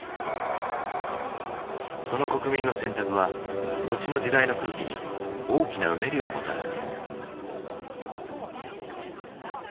その国民の選択は後の時代の空気に大きなうねりをもたらす。